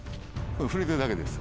触れてるだけです。